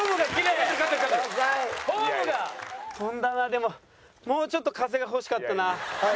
でももうちょっと風が欲しかったな。